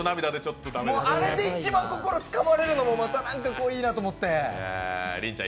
あれで一番心つかまれるのもなんかいいなと思って。